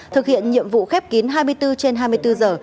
thực hiện nhiệm vụ khép kín hai mươi bốn trên hai mươi bốn giờ